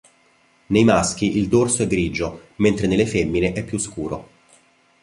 Nei maschi il dorso è grigio, mentre nelle femmine è più scuro.